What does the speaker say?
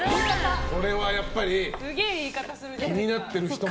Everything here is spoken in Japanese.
これはやっぱり気になっている方も。